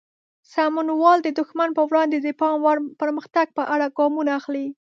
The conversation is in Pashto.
سمونوال د دښمن پر وړاندې د پام وړ پرمختګ په اړه ګامونه اخلي.